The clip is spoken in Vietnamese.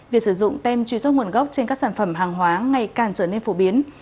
việc sử dụng tem truy xuất nguồn gốc trên các sản phẩm hàng hóa ngày càng trở nên phổ biến